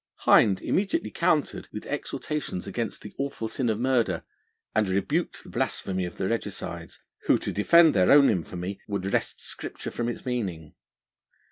Hind immediately countered with exhortations against the awful sin of murder, and rebuked the blasphemy of the Regicides, who, to defend their own infamy, would wrest Scripture from its meaning.